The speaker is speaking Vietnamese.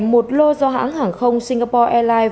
một lô do hãng hàng không singapore airlines